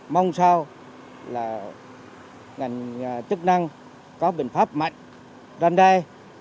mong sao là ngành chức năng có bình pháp mạnh ra đây